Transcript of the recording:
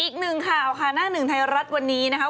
อีกหนึ่งข่าวค่ะหน้าหนึ่งไทยรัฐวันนี้นะคะ